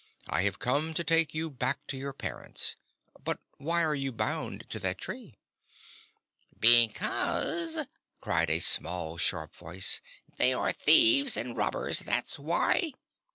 "I have come to take you back to your parents. But why are you bound to that tree?" "Because," cried a small, sharp voice, "they are thieves and robbers. That's why!"